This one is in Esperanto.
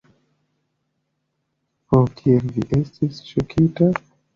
Ho, kiel vi estis ŝokita!